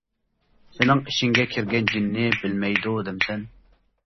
سېنىڭ ئىچىڭگە كىرگەن جىننى بىلمەيدۇ دەمسەن.